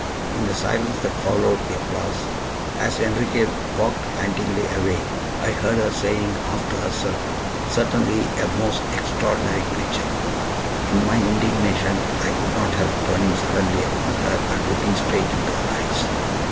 In the silence that followed the applause, as Enriquez walked pantingly away, I heard her saying, half to herself, "Certainly a most extraordinary creature!" In my indignation I could not help turning suddenly upon her and looking straight into her eyes.